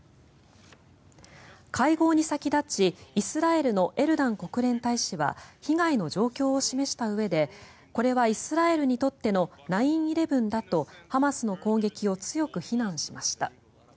会合に先立ちイスラエルのエルダン国連大使は被害の状況を示したうえでこれはイスラエルにとっての９・１１だとハマスの攻撃を強く非難しました。